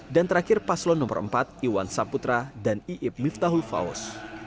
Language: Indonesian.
dan terakhir paslon nomor empat iwan saputra dan iib miftahul faus